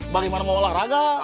bagaimana mau olahraga